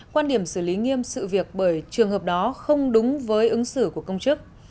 quan điểm xử lý nghiêm sự việc bởi trường hợp đó không đúng với ứng xử của công chức